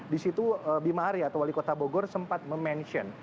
di situ bima arya atau wali kota bogor sempat mention